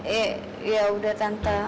eh yaudah tante